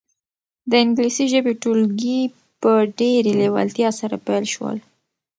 د انګلیسي ژبې ټولګي په ډېرې لېوالتیا سره پیل شول.